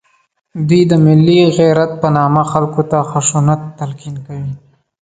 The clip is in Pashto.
دوی د ملي غیرت په نامه خلکو ته خشونت تلقین کوي